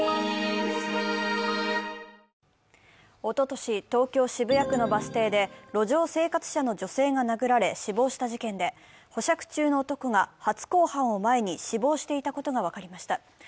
おととし、東京・渋谷区のバス停で路上生活者の女性が殴られ、死亡した事件で、保釈中の男が初公判を前に死亡していたことが分かりました。